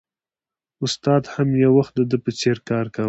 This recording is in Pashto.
استاد هم یو وخت د ده په څېر کار کاوه